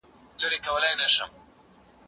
په امریکا کې هر کال په میلیونونو خلک مسموم کیږي.